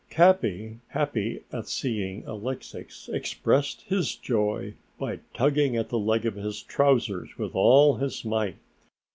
Capi, happy at seeing Alexix, expressed his joy by tugging at the leg of his trousers with all his might.